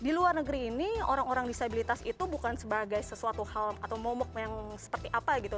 jadi di luar negeri ini orang orang disabilitas itu bukan sebagai sesuatu hal atau momok yang seperti apa gitu